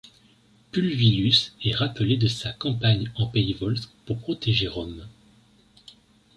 Pulvillus est rappelé de sa campagne en pays volsque pour protéger Rome.